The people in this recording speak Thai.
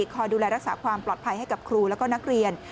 คอยดูแลรักษาความปลอดภัยให้กับครูแล้วก็นักเรียน